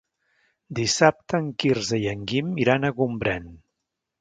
Dissabte en Quirze i en Guim iran a Gombrèn.